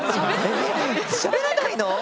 しゃべらないの？